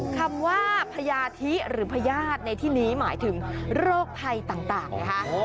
คำว่าพญาธิหรือพญาติในที่นี้หมายถึงโรคภัยต่างนะคะ